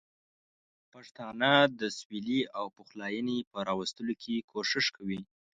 پښتانه د سولې او پخلاینې په راوستلو کې کوښښ کوي.